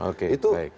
oke baik itu